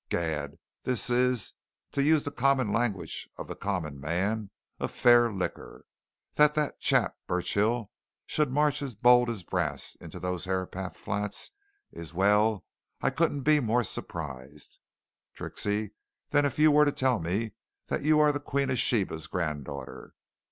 Gad! this is to use the common language of the common man, a fair licker! That that chap Burchill should march as bold as brass into those Herapath Flats, is well, I couldn't be more surprised, Trixie, than if you were to tell me that you are the Queen of Sheba's grand daughter!